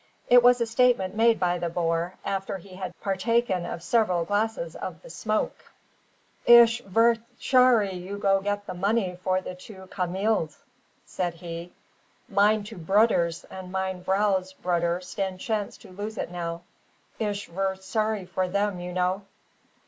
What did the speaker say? It was a statement made by the boer, after he had partaken of several glasses of the "smoke." "Ish ver shorry you go get the money for the two cameels," said he. "Mine two bruders and mine vrow's bruder stand chance to lose it now. Ish ver shorry for them, you know."